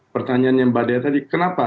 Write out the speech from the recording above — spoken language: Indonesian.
pertanyaan yang mbak dea tadi kenapa